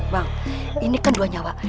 bang ini kan dua nyawa